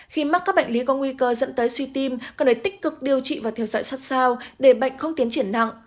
khi mắc các bệnh lý có nguy cơ dẫn tới suy tìm cần đẩy tích cực điều trị và thiểu dạy sát sao để bệnh không tiến triển nặng